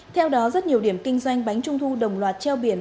theo đó rất nhiều điểm kinh doanh bánh trung thu đồng loạt treo biển